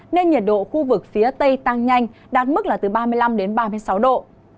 nên nhiệt độ khu vực phía tây tăng nhanh đạt mức là từ ba mươi năm đến ba mươi sáu độ